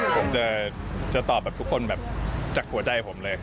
ผมจะตอบแบบทุกคนแบบจากหัวใจผมเลย